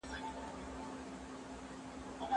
که حکومت ټولنيزو چارو ته پام ونه کړي، نو ناکامېږي.